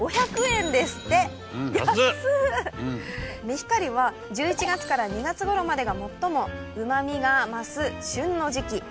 メヒカリは１１月から２月ごろまでが最もうま味が増す旬の時季。